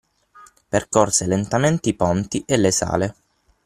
Percorse lentamente i ponti e le sale.